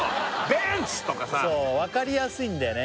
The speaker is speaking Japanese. ベンツ！とかさそうわかりやすいんだよね